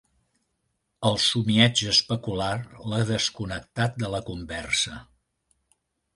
El somieig especular l'ha desconnectat de la conversa.